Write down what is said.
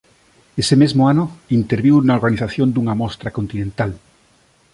Ese mesmo ano interviu na organización dunha mostra continental.